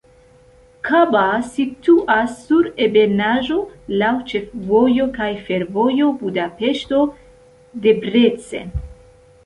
Kaba situas sur ebenaĵo, laŭ ĉefvojo kaj fervojo Budapeŝto-Debrecen.